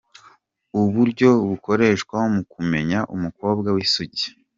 Uburyo bukoreshwa mu kumenya umukobwa w’isugi